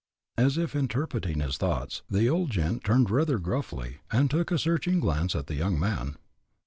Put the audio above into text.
As if interpreting his thoughts, the old gent turned rather gruffly, and took a searching glance at the young man.